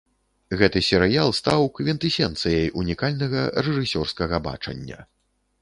Гэты серыял стаў квінтэсэнцыяй унікальнага рэжысёрскага бачання.